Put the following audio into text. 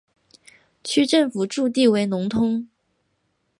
区政府驻地为农通。